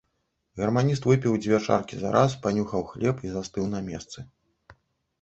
Гарманіст выпіў дзве чаркі зараз, панюхаў хлеб і застыў на месцы.